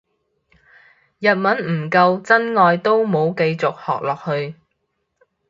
日文唔夠真愛都冇繼續學落去